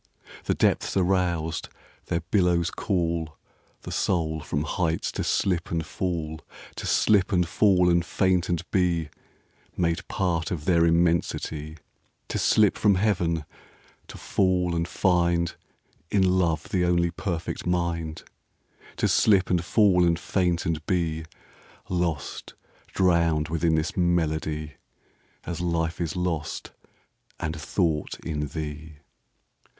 The depths are roused: their billows callThe soul from heights to slip and fall; To slip and fall and faint and beMade part of their immensity; To slip from Heaven; to fall and findIn love the only perfect mind; To slip and fall and faint and beLost, drowned within this melody, As life is lost and thought in thee.